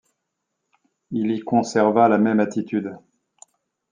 Il y conserva la même attitude.